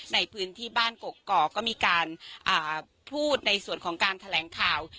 ในพื้นที่บ้านกกอกก็มีการพูดในส่วนของการแถลงข่าว